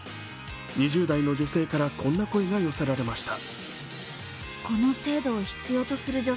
２０代の女性からこんな声が寄せられました。